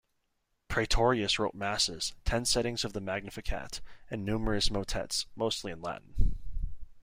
Praetorius wrote masses, ten settings of the Magnificat, and numerous motets, mostly in Latin.